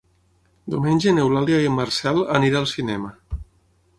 Diumenge n'Eulàlia i en Marcel aniré al cinema.